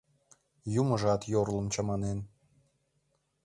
— Юмыжат йорлым чаманен».